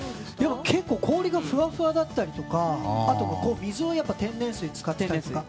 結構氷がふわふわだったりとかあと、水も天然水を使ってたりとか。